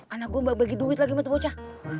anak gue gak bagi duit lagi mati bocah